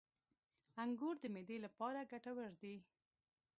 • انګور د معدې لپاره ګټور دي.